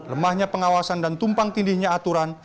lemahnya pengawasan dan tumpang tindihnya aturan